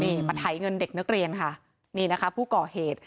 นี่มาไถเงินเด็กนักเรียนค่ะนี่นะคะผู้ก่อเหตุ